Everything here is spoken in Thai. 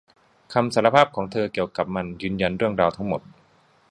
คำสารภาพของเธอเกี่ยวกับมันยืนยันเรื่องราวทั้งหมด